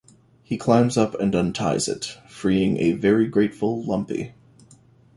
He climbs up and unties it, freeing a very grateful Lumpy.